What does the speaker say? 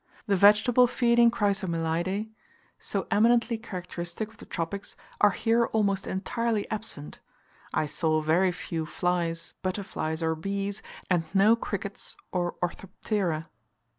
The vegetable feeding Chrysomelidae, so eminently characteristic of the Tropics, are here almost entirely absent; I saw very few flies, butterflies, or bees, and no crickets or Orthoptera.